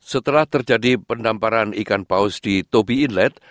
setelah terjadi penamparan ikan paus di toby inlet